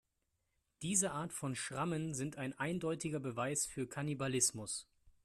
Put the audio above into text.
Diese Art von Schrammen sind ein eindeutiger Beweis für Kannibalismus.